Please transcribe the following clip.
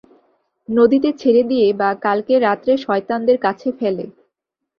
নদীতে ছেড়ে দিয়ে, বা কালকে রাত্রে সয়তানদের কাছে ফেলে।